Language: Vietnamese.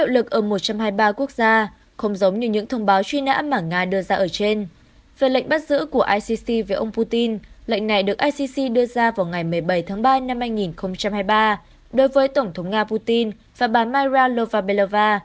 lệnh này được icc đưa ra vào ngày một mươi bảy tháng ba năm hai nghìn hai mươi ba đối với tổng thống nga putin và bà myra lovabelova